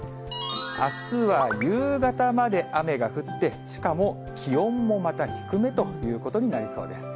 あすは夕方まで雨が降って、しかも気温もまた低めということになりそうです。